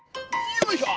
よいしょ。